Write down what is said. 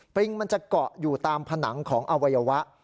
ริงมันจะเกาะอยู่ตามผนังของอวัยวะ